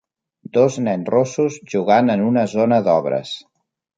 Dos nens rossos jugant en una zona d'obres.